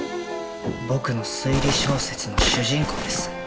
僕の推理小説の主人公です。